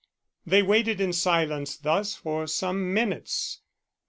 They waited in silence thus for some minutes.